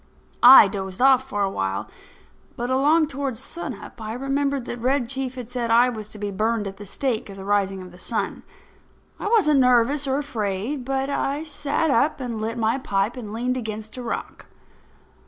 I dozed off for a while, but along toward sun up I remembered that Red Chief had said I was to be burned at the stake at the rising of the sun. I wasn't nervous or afraid; but I sat up and lit my pipe and leaned against a rock.